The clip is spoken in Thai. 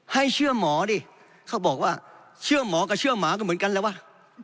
ให้เชื่อหมอดิเขาบอกว่าเชื่อหมอก็เชื่อหมาก็เหมือนกันแล้ววะ